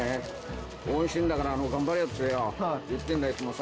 「応援してるんだから頑張れよ」ってよ言ってんだいつもさ